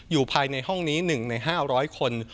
อยู่ภายในห้องนี้๑ใน๕๐๐คน